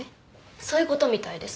そういうことみたいです。